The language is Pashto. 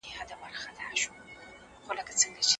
د لويي جرګې خېمه چېرته موقعیت لري؟